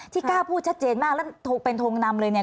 กล้าพูดชัดเจนมากแล้วเป็นทงนำเลยเนี่ย